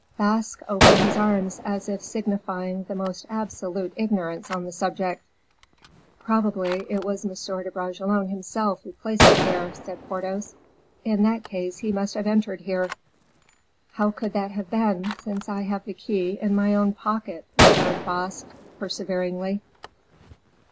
Basque opened his arms as if signifying the most absolute ignorance on the subject. "Probably it was M. de Bragelonne himself who placed it there," said Porthos. "In that case he must have entered here." "How could that have been, since I have the key in my own pocket?" returned Basque, perseveringly.